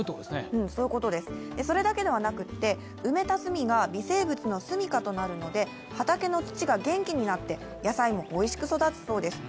それだけではなくて、埋めた炭が微生物のすみかとなるので、畑の土が元気になって野菜もおいしく育つそうです。